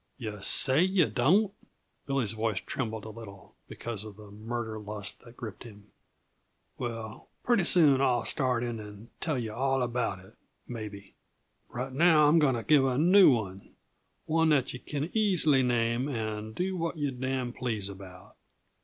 Yuh say yuh don't?" Billy's voice trembled a little, because of the murder lust that gripped him. "Well, pretty soon, I'll start in and tell yuh all about it maybe. Right now, I'm going t' give a new one one that yuh can easy name and do what yuh damn' please about."